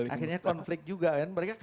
akhirnya konflik juga kan mereka ketawa